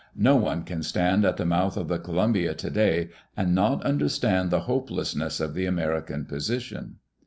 No one can stand at the mouth of the Columbia today and not understand the hopelessness of the American position.